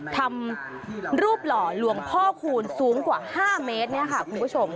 ทำรูปหล่อหลวงพ่อคูณสูงกว่า๕เมตรเนี่ยค่ะคุณผู้ชม